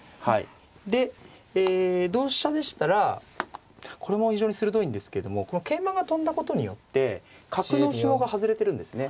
でえ同飛車でしたらこれも非常に鋭いんですけれどもこの桂馬が跳んだことによって角のひもが外れてるんですね。